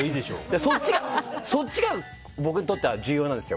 そっちが僕にとっては重要なんですよ。